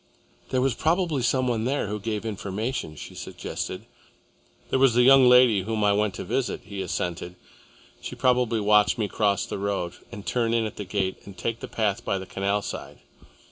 "There was probably some one there who gave information," she suggested. "There was the young lady whom I went to visit," he assented. "She probably watched me cross the road and turn in at that gate and take the path by the canal side.